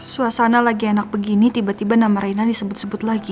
suasana lagi enak begini tiba tiba nama raina disebut sebut lagi